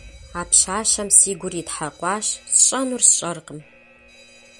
А пщащэм си гур итхьэкъуащ, сщӏэнур сщӏэркъым.